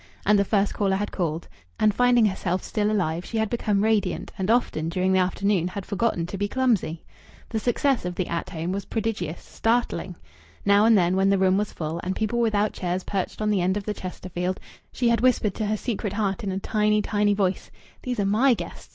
And the first caller had called. And, finding herself still alive, she had become radiant, and often during the afternoon had forgotten to be clumsy. The success of the At Home was prodigious, startling. Now and then when the room was full, and people without chairs perched on the end of the Chesterfield, she had whispered to her secret heart in a tiny, tiny voice: "These are my guests.